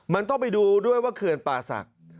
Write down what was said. มันต้องไปดูด้วยว่าเขื่อนป่าศักดิ์